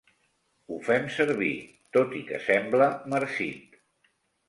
Ho fem servir, tot i que sembla marcit.